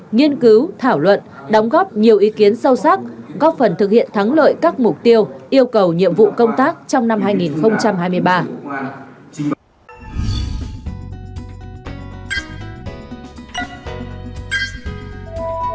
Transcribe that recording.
nghiên cứu thảo luận đóng góp nhiều ý kiến sâu sắc góp phần thực hiện thắng lợi các mục tiêu yêu cầu nhiệm vụ công tác trong năm hai nghìn hai mươi ba